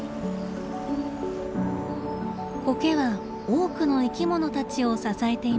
コケは多くの生きものたちを支えています。